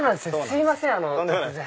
すいません突然。